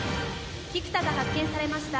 菊田が発見されました。